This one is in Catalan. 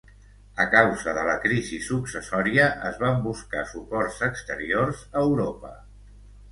A causa de la crisi successòria, es van buscar suports exteriors a Europa.